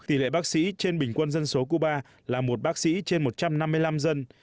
tỷ lệ bác sĩ trên bình quân dân số cuba là một bác sĩ trên một trăm năm mươi năm dân